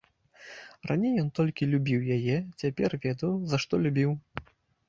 Раней ён толькі любіў яе, цяпер ведаў, за што любіў.